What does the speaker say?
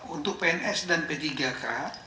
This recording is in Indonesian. untuk pns dan p tiga k